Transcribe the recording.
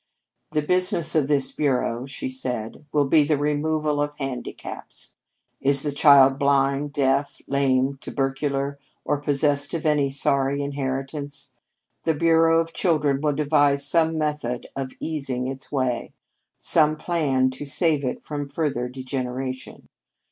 "The business of this bureau," she said, "will be the removal of handicaps. "Is the child blind, deaf, lame, tubercular, or possessed of any sorry inheritance? The Bureau of Children will devise some method of easing its way; some plan to save it from further degeneration.